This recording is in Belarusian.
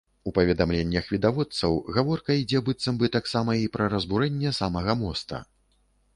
У паведамленнях відавочцаў гаворка ідзе быццам бы таксама і пра разбурэнне самага моста.